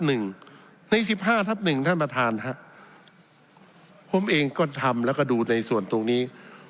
ใน๑๕ทับ๑ท่านประธานครับผมเองก็ทำแล้วก็ดูในส่วนตรงนี้